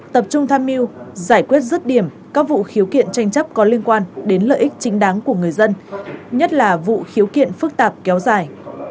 tập trung tham mưu giải quyết rứt điểm các vụ khiếu kiện tranh chấp có liên quan đến lợi ích chính đáng của người dân nhất là vụ khiếu kiện phức tạp kéo dài